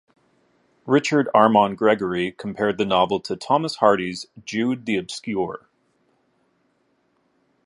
Richard Arman Gregory compared the novel to Thomas Hardy's "Jude the Obscure".